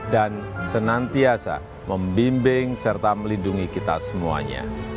dan senantiasa membimbing serta melindungi kita semuanya